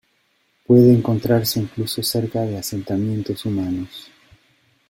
Puede encontrarse incluso cerca de asentamientos humanos.